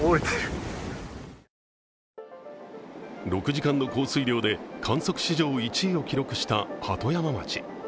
６時間の降水量で観測史上１位を記録した鳩山町。